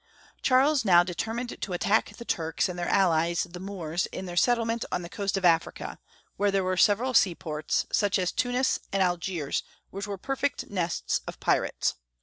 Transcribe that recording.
Charles now determined to attack the Turks and their allies the Moors in their settlement on the coast of Africa, where there were several seaports, such as Tunis and Algiers, which were perfect nests of pirates.